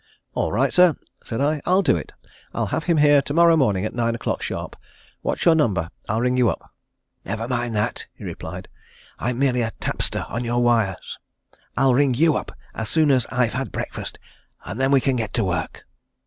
"All right, sir," said I. "I'll do it. I'll have him here to morrow morning at nine o'clock sharp. What's your number? I'll ring you up." "Never mind that," he replied. "I'm merely a tapster on your wires. I'll ring you up as soon as I've had breakfast and then we can get to work."